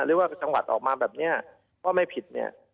หรือว่าจังหวัดออกมาแบบนี้ก็ไม่ผิดเนี่ย